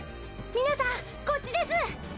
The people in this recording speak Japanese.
皆さんこっちです！